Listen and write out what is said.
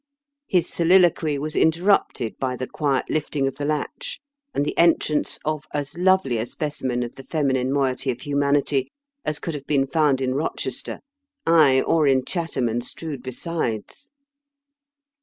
His soliloquy was interrapted by the quiet lifidng of the latch, and the entrance of as lovely a specimen of the feminine moiety of himianity as could have been found in Bochester — ay, or in Chatham and Strood besides.